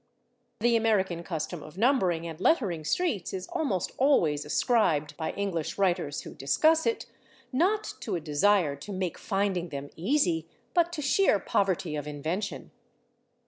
The American custom of numbering and lettering streets is almost always ascribed by English writers who discuss it, not to a desire to make finding them easy, but to sheer poverty of invention.